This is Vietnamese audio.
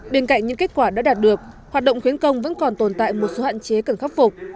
bên cạnh những kết quả đã đạt được hoạt động khuyến công vẫn còn tồn tại một số hạn chế cần khắc phục